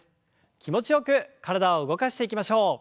気持ちよく体を動かしていきましょう。